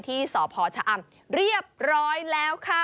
ที่สพชะอำเรียบร้อยแล้วค่ะ